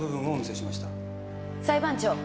裁判長。